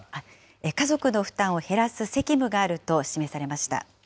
家族の負担を減らす責務があると示されました。